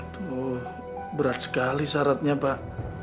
tuh berat sekali syaratnya pak